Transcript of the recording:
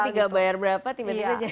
ini tidak bayar berapa tiba tiba jadi